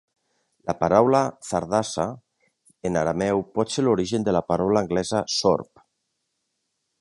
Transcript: La paraula "zardasa" en arameu pot ser l"origen de la paraula anglesa "sorb".